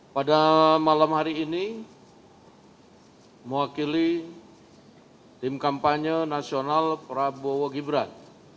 pada malam hari ini mewakili tim kampanye nasional prabowo gibran